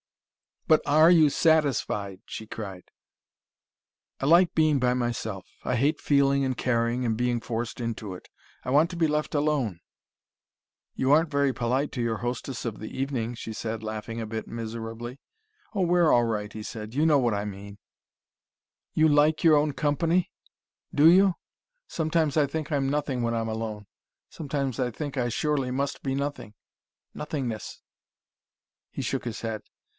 "But ARE you SATISFIED!" she cried. "I like being by myself I hate feeling and caring, and being forced into it. I want to be left alone " "You aren't very polite to your hostess of the evening," she said, laughing a bit miserably. "Oh, we're all right," he said. "You know what I mean " "You like your own company? Do you? Sometimes I think I'm nothing when I'm alone. Sometimes I think I surely must be nothing nothingness." He shook his head.